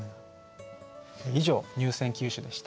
以上入選九首でした。